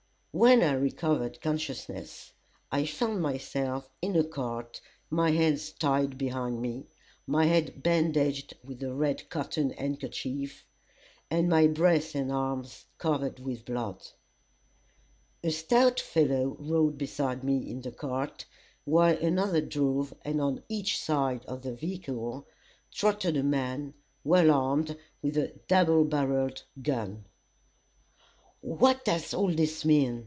When I recovered consciousness, I found myself in a cart, my hands tied behind me, my head bandaged with a red cotton handkerchief, and my breast and arms covered with blood. A stout fellow rode beside me in the cart, while another drove, and on each side of the vehicle trotted a man, well armed with a double barrelled gun. "What does all this mean?"